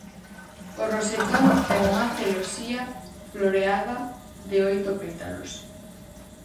O rosetón ten unha celosía floreada de oito pétalos.